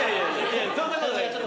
そんなことないです。